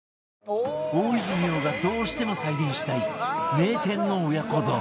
大泉洋がどうしても再現したい名店の親子丼